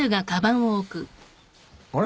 あれ？